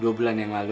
dua bulan yang lalu